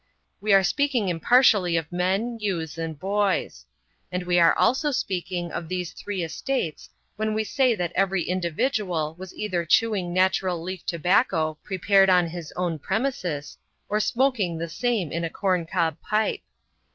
We are speaking impartially of men, youths and boys. And we are also speaking of these three estates when we say that every individual was either chewing natural leaf tobacco prepared on his own premises, or smoking the same in a corn cob pipe.